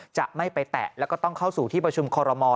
จะไม่ไปแตะแล้วก็ต้องเข้าสู่ที่ประชุมคอรมอล